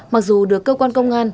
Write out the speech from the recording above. mặc dù được cơ quan công an